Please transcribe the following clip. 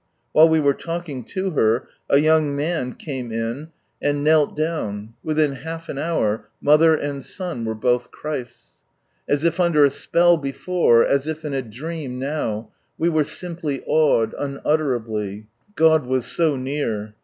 White we were talking to her, a young man came in and knelt down. Within half an hour, mother and son were both Christ's. As if under a spell before — as if in a dream now — ^we were simply awed unutlerably. God was so near.